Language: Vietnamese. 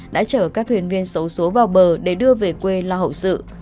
đã chở các thuyền viên xấu xố vào bờ để đưa về quê lo hậu sự